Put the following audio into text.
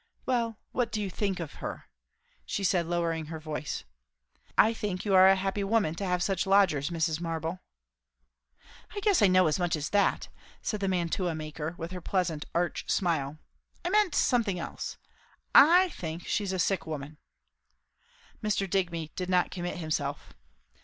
"Well, what do you think of her?" she said, lowering her voice. "I think you are a happy woman, to have such lodgers, Mrs. Marble." "I guess I know as much as that," said the mantua maker, with her pleasant, arch smile. "I meant something else. I think, she's a sick woman." Mr. Digby did not commit himself.